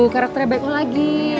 karakternya baik oh lagi